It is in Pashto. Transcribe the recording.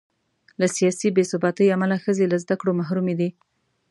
له سیاسي بې ثباتۍ امله ښځې له زده کړو محرومې دي.